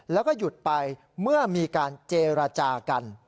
แล้วก็หยุดไปเมื่อมีการเจรจากัน